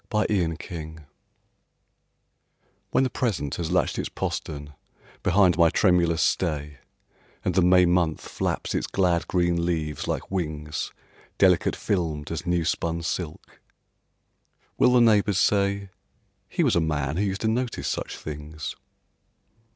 AFTERWARDS WHEN the Present has latched its postern behind my tremulous stay, And the May month flaps its glad green leaves like wings, Delicate filmed as new spun silk, will the neighbours say, "He was a man who used to notice such things"?